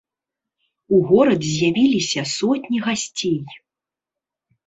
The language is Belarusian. У горад з'ехаліся сотні гасцей.